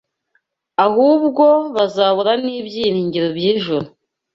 ahubwo bazabura n’ibyiringiro by’ijuru